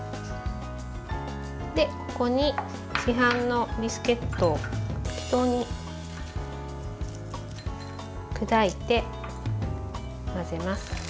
ここに、市販のビスケットを適当に砕いて混ぜます。